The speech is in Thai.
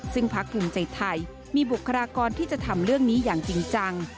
ซึ่งพักภูมิใจไทยมีบุคลากรที่จะทำเรื่องนี้อย่างจริงจัง